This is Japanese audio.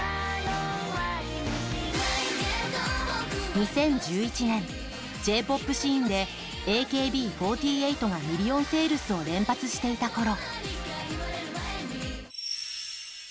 ２０１１年、Ｊ‐ＰＯＰシーンでＡＫＢ４８がミリオンセールスを連発していたころ。